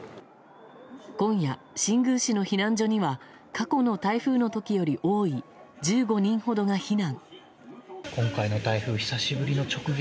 今夜、新宮市の避難所には過去の台風の時より多い１５人ほどが避難。